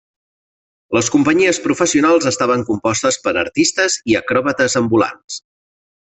Les companyies professionals estaven compostes per artistes i acròbates ambulants.